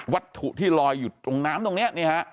วัตถุที่ลอยอยู่ตรงน้ำตรงนี้